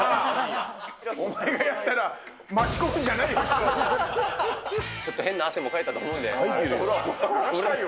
お前がやったら、ちょっと変な汗もかいたとこかいてるよ。